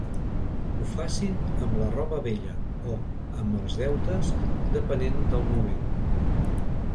Ho facin amb la roba vella o amb els deutes, depenent del moment.